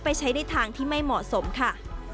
ใช้ในทางที่ไม่เหมาะสมค่ะ